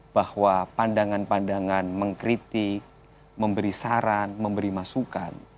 bahwa pandangan pandangan mengkritik memberi saran memberi masukan